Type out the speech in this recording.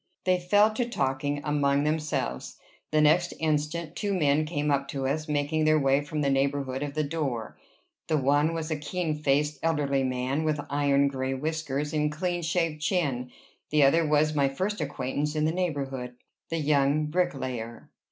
They fell to talking among themselves. The next instant, two men came up to us, making their way from the neighborhood of the door. The one was a keen faced, elderly man, with iron gray whiskers and clean shaved chin; the other was my first acquaintance in the neighborhood, the young bricklayer.